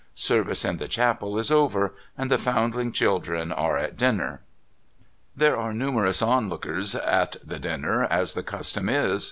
Service in the chapel is over, and the Foundling children are at dinner. There are numerous lookers on at the dinner, as the custom is.